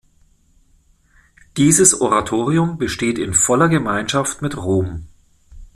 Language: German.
Dieses Oratorium besteht in voller Gemeinschaft mit Rom.